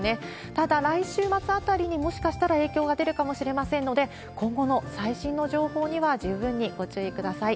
ただ、来週末あたりに、もしかしたら影響が出るかもしれませんので、今後の最新の情報には十分にご注意ください。